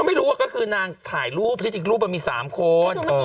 ก็ไม่รู้อะนางถ่ายรูปพอที่นี่ติดรูปก็มี๓คน